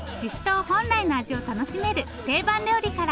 う本来の味を楽しめる定番料理から。